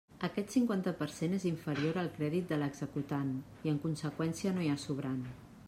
Aquest cinquanta per cent és inferior al crèdit de l'executant i en conseqüència no hi ha sobrant.